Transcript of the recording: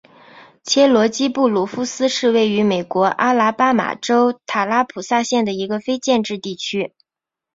切罗基布鲁夫斯是位于美国阿拉巴马州塔拉普萨县的一个非建制地区。